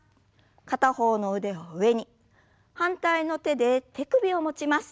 片方の腕を上に反対の手で手首を持ちます。